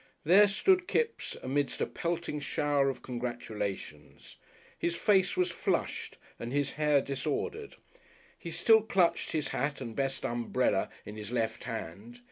There stood Kipps amidst a pelting shower of congratulations. His face was flushed and his hair disordered. He still clutched his hat and best umbrella in his left hand.